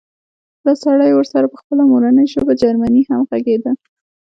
دا سړی ورسره په خپله مورنۍ ژبه جرمني هم غږېده